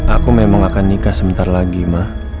aku memang akan nikah sebentar lagi ma